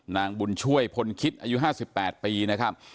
นางบุญช่วยพลคิดอายุ๕๘ปีนะครับ